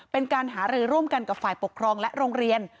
เป็นการหารือร่วมกันกับฝ่ายปกครองและโรงเรียน